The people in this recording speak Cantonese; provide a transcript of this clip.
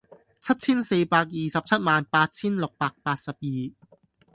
七千四百二十七萬八千六百八十二